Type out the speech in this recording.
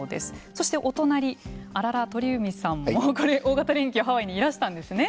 そして、お隣あらら、鳥海さんもこれ大型連休ハワイにいらしたんですね。